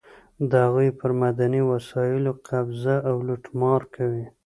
د هغوی پر معدني وسایلو قبضه او لوټمار کوي.